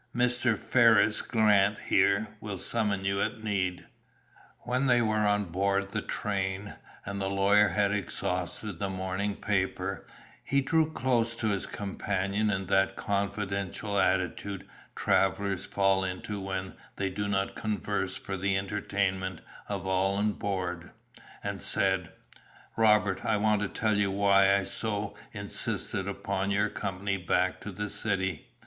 Mr. 'Ferriss Grant,' here, will summon you at need." When they were on board the train, and the lawyer had exhausted the morning paper, he drew close to his companion in that confidential attitude travellers fall into when they do not converse for the entertainment of all on board, and said: "Robert, I want to tell you why I so insisted upon your company back to the city.